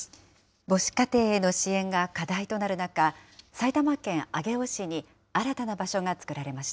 母子家庭への支援が課題となる中、埼玉県上尾市に新たな場所が作られました。